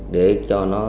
để cho nó